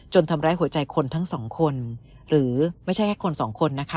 ทำร้ายหัวใจคนทั้งสองคนหรือไม่ใช่แค่คนสองคนนะคะ